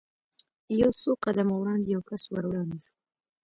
یو څو قدمه وړاندې یو کس ور وړاندې شو.